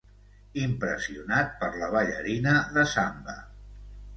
Impressionat per la ballarina de samba.